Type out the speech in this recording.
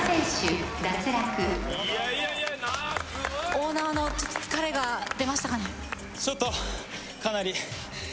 大縄のちょっと疲れが出ましたかね